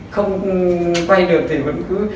không quay được thì vẫn cứ